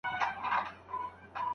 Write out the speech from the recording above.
ښه خلګ د ژوند په لاره کي رڼا ده.